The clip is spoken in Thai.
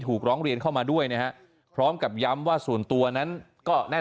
ร้องเรียนเข้ามาด้วยนะฮะพร้อมกับย้ำว่าส่วนตัวนั้นก็แน่น